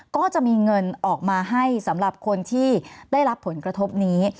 ก็จะมีเงินออกมาให้สำหรับคนที่ได้รับผลกระทบนี้